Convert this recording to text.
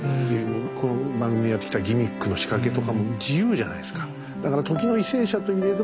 この番組やってきたギミックの仕掛けとかも自由じゃないですか。